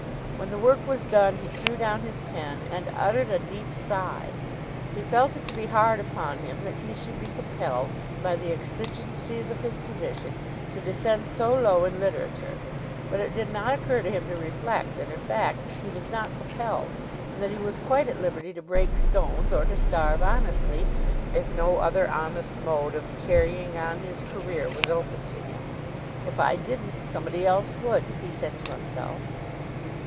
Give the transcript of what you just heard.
When the work was done he threw down his pen and uttered a deep sigh. He felt it to be hard upon him that he should be compelled, by the exigencies of his position, to descend so low in literature; but it did not occur to him to reflect that in fact he was not compelled, and that he was quite at liberty to break stones, or to starve honestly, if no other honest mode of carrying on his career was open to him. "If I didn't, somebody else would," he said to himself.